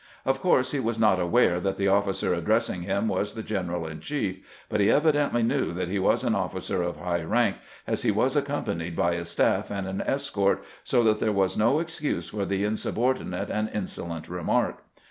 Of course he was not aware that the officer addressing him was the general in chief, but he evidently knew that he was an officer of high rank, as he was accompanied by a staff and an escort, so that there was no excuse for the insubordinate and insolent remark.